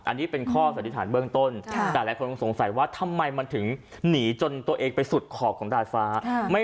อันนี้เป็นข้อสันนิษฐานเบื้องต้นแต่หลายคนคงสงสัยว่าทำไมมันถึงหนีจนตัวเองไปสุดขอบของดาดฟ้า